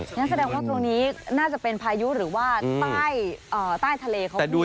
งั้นแสดงว่าตรงนี้น่าจะเป็นพายุหรือว่าใต้ทะเลเขาด้วย